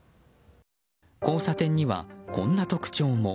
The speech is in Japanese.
交差点には、こんな特徴も。